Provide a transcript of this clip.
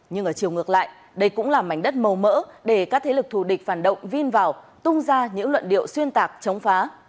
nhưng ở chiều ngược lại đây cũng là mảnh đất màu mỡ để các thế lực thù địch phản động vin vào tung ra những luận điệu xuyên tạc chống phá